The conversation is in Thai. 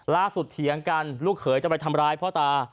เถียงกันลูกเขยจะไปทำร้ายพ่อตา